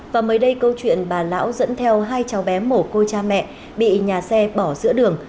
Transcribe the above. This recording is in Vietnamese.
và mới đây câu chuyện bà lão dẫn theo hai cháu bé mổ cô cha mẹ bị nhà xe bỏ giữa đường